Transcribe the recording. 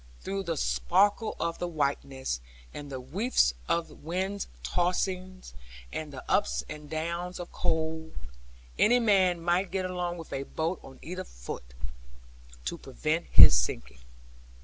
Through the sparkle of the whiteness, and the wreaths of windy tossings, and the ups and downs of cold, any man might get along with a boat on either foot, to prevent his sinking.